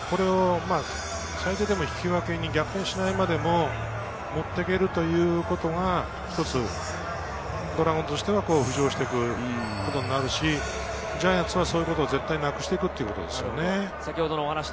最低でも引き分けに、逆転しないまでも、持っていけるということが一つドラゴンズとしては浮上していくことになるし、ジャイアンツは、そういうことを絶対なくしていくっていうことですよね。